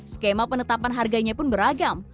skema penetapan harganya pun beragam